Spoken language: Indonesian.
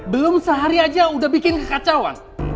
belum sehari aja udah bikin kekacauan